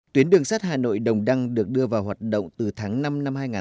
tuyến đường sắt hà nội đồng đăng được đưa vào hoạt động từ tháng năm năm hai nghìn hai mươi